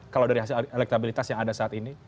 kalau dari hasil elektabilitas yang ada saat ini